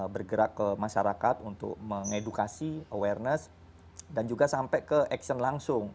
bergerak ke masyarakat untuk mengedukasi awareness dan juga sampai ke action langsung